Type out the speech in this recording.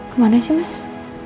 kemana sih mas